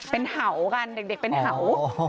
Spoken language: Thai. เป็นเห่ากันเด็กเป็นเห่า